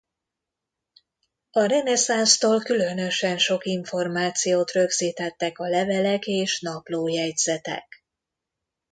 A reneszánsztól különösen sok információt rögzítettek a levelek és naplójegyzetek.